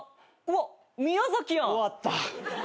終わった。